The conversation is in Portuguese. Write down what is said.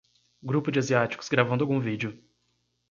Grupo de asiáticos gravando algum vídeo.